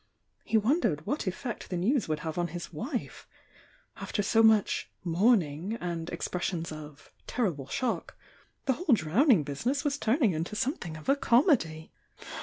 He wondered what effect the news would have on his wife? After so much "mourning" and expres sions of "terrible shock,"— the whole drowning busi ness was turned into something of a comedy!